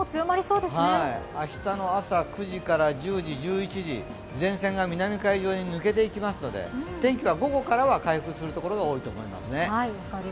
明日の朝９時から１０時、１１時、前線が南海上に抜けていきますので天気は午後からは回復する所が多いと思います。